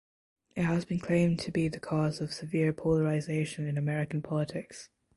It has been claimed to be the cause of severe polarization in American politics.